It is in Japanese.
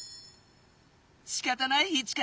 しかたないイチカ。